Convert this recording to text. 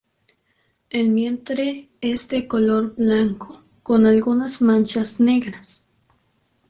El vientre es de color blanco con algunas manchas negras.